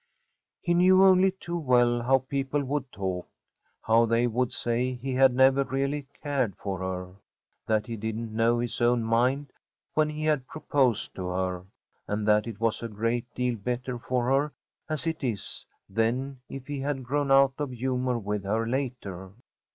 He knew only too well how people would talk. How they would say he had never really cared for her; that he didn't know his own mind when he had proposed to her; and that it was a great deal better for her as it is than if he had grown out of humor with her later.